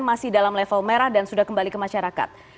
masih dalam level merah dan sudah kembali ke masyarakat